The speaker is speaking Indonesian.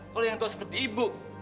kalau yang tahu seperti ibu